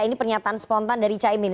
ini pernyataan spontan dari caimin